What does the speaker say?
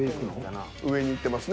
上にいってますね。